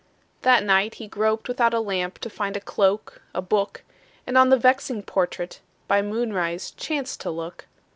That night he groped without a lamp To find a cloak, a book, And on the vexing portrait By moonrise chanced to look.